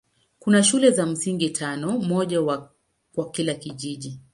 Kuna shule za msingi tano, moja kwa kila kijiji.